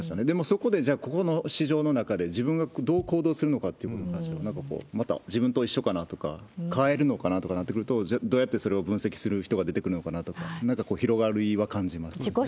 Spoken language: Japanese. でも、そこでじゃあここの市場の中で、自分がどう行動するのかということに対する、なんかこう、自分と一緒かなとか、変えるのかとかなってくると、じゃあどうやってそれを分析する人が出てくるのかなとか、なんか広がりは感じますね。